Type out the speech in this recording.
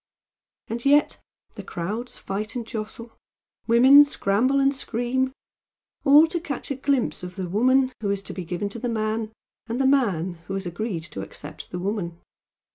And yet the crowds fight and jostle, women scramble and scream, all to catch a glimpse of the woman who is to be given to the man, and the man who has agreed to accept the woman.